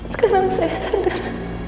sekarang saya sadar